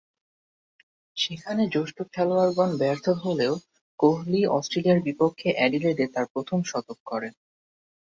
সেখানে জ্যেষ্ঠ খেলোয়াড়গণ ব্যর্থ হলেও কোহলি অস্ট্রেলিয়ার বিপক্ষে অ্যাডিলেডে তার প্রথম শতক করেন।